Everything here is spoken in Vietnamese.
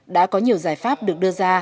đã có nhiều giải pháp được đưa ra